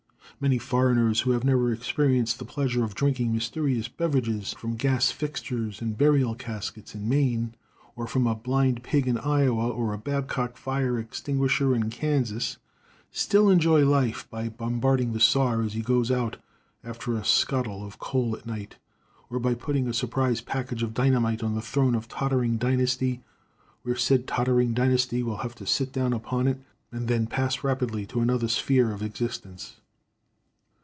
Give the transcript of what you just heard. Many foreigners who have never experienced the pleasure of drinking mysterious beverages from gas fixtures and burial caskets in Maine, or from a blind pig in Iowa, or a Babcock fire extinguisher in Kansas, still enjoy life by bombarding the Czar as he goes out after a scuttle of coal at night, or by putting a surprise package of dynamite on the throne of a tottering dynasty, where said tottering dynasty will have to sit down upon it and then pass rapidly to another sphere of existence.